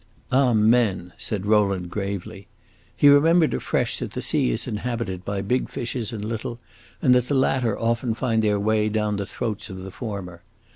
"Amen!" said Rowland, gravely. He remembered afresh that the sea is inhabited by big fishes and little, and that the latter often find their way down the throats of the former.